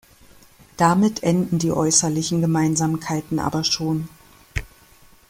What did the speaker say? Damit enden die äußerlichen Gemeinsamkeiten aber schon.